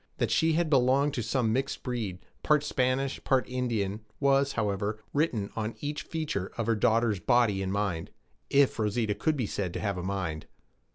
That she had belonged to some mixed breed, part Spanish, part Indian, was, however, written on each feature of her daughter's body and mind if Rosita could be said to have a mind.